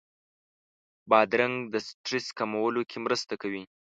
بادرنګ د سټرس کمولو کې مرسته کوي.